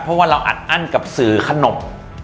เพราะว่าเราอัดอั้นกับสื่อขนบ